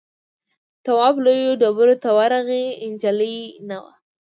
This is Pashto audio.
تواب لویو ډبرو ته ورغی نجلۍ نه وه.